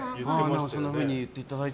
そんなふうに言っていただいて。